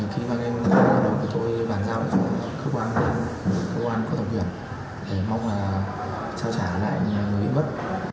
khi mang lên cơ quan giao lục tôi bàn giao cho cơ quan của tổng quyền mong là trao trả lại người bị mất